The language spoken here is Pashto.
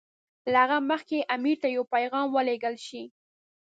له هغه مخکې امیر ته یو پیغام ولېږل شي.